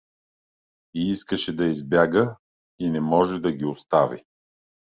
И искаше да избяга, и не можеше да ги остави.